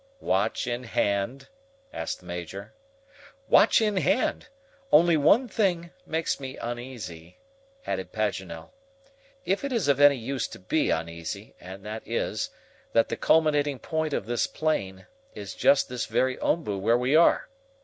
"Watch in hand?" asked the Major. "Watch in hand. Only one thing makes me uneasy," added Paganel, "if it is any use to be uneasy, and that is, that the culminating point of this plain, is just this very OMBU where we are.